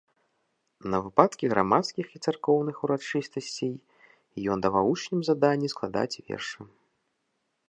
На выпадкі грамадскіх і царкоўных урачыстасцей ён даваў вучням заданні складаць вершы.